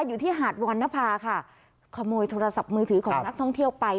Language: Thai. อยู่ที่หาดวรรณภาค่ะขโมยโทรศัพท์มือถือของนักท่องเที่ยวไป